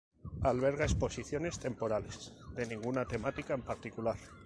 Alberga exposiciones temporales de ninguna temática en particular.